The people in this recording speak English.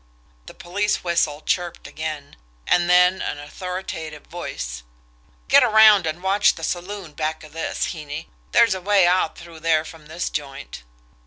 The police whistle chirped again; and then an authoritative voice: "Get around and watch the saloon back of this, Heeney there's a way out through there from this joint."